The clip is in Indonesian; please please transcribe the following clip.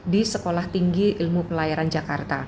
di sekolah tinggi ilmu pelayaran jakarta